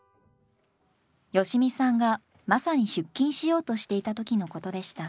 良美さんがまさに出勤しようとしていた時のことでした。